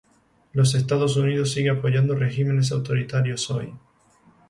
Los Estados Unidos sigue apoyando regímenes autoritarios hoy.